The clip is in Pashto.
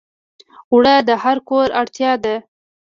اوړه د هر کور اړتیا ده